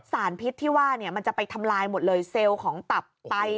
สารพิษที่ว่ามันจะไปทำลายหมดเลยเซลล์ของตับไต